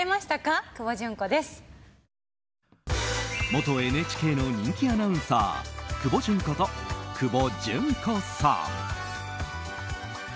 元ＮＨＫの人気アナウンサークボジュンこと久保純子さん。